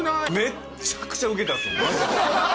めっちゃくちゃウケたんですよマジで！